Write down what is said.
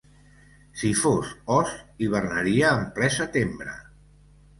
Si fos ós hibernaria en ple setembre.